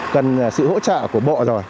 cần sự hỗ trợ của bộ rồi